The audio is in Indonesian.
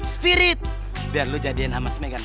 spirit biar lu jadikan sama se megan